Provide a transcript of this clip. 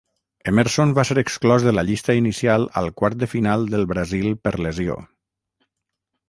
Emerson va ser exclòs de la llista inicial al quart de final del Brasil per lesió.